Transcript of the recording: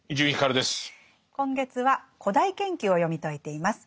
今月は「古代研究」を読み解いています。